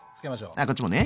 ああこっちもね。